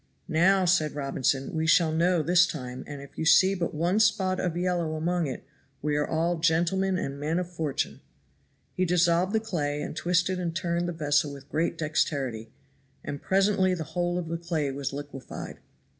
"Now," said Robinson, "we shall know this time, and if you see but one spot of yellow among it, we are all gentlemen and men of fortune." He dissolved the clay, and twisted and turned the vessel with great dexterity, and presently the whole of the clay was liquefied.